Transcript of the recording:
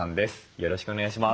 よろしくお願いします。